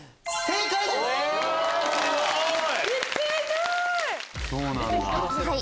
正解です！